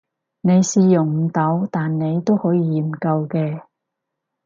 你試用唔到但你都可以研究嘅